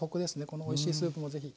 このおいしいスープも是非。